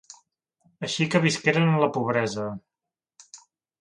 Així que visqueren en la pobresa.